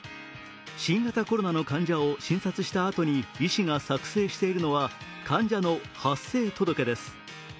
新型コロナの患者を診察したあとに医師が作成しているのは患者の発生届です。